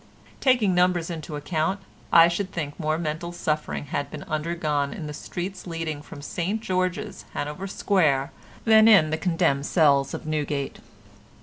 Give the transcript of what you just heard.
Taking numbers into account, I should think more mental suffering had been undergone in the streets leading from St George's, Hanover Square, than in the condemned cells of Newgate.